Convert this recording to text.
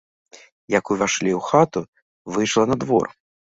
Як увайшлі ў хату, выйшла на двор.